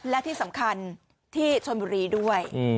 และที่สำคัญที่ชนบุรีด้วย